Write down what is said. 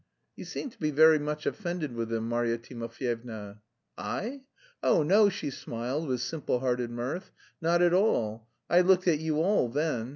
"You seem to be very much offended with them, Marya Timofyevna?" "I? Oh, no," she smiled with simple hearted mirth. "Not at all. I looked at you all, then.